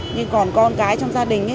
nhưng còn con gái trong gia đình